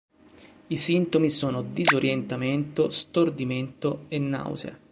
I sintomi sono disorientamento, stordimento e nausea.